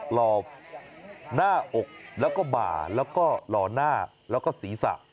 หล่อหน้าอกแล้วก็บ่าแล้วก็หล่อหน้าแล้วก็ศีรษะ